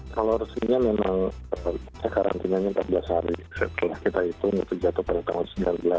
kalau harusnya memang karantinanya empat belas hari setelah kita itu jatuh pada tahun sembilan belas